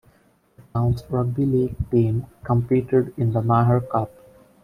The town's rugby league team competed in the Maher Cup.